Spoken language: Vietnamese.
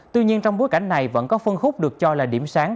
tuy nhiên trong bối cảnh này vẫn có phân khúc được cho là điểm sử dụng